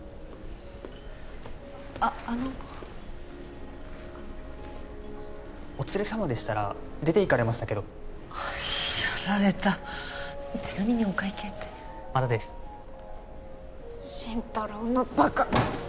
あっあのお連れ様でしたら出て行かれましたけどやられたちなみにお会計ってまだです真太郎のバカ！